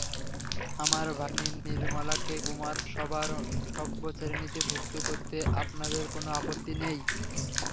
আমার ভাগ্নী নির্মলাকে কুমারসভার সভ্যশ্রেণীতে ভুক্ত করতে আপনাদের কোনো আপত্তি নেই?